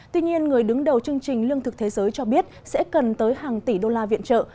tuy nhiên người đứng đầu chương trình lương thực thế giới cho biết sẽ cần tới hàng tỷ đô la viện trợ